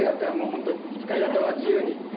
ホント使い方は自由に。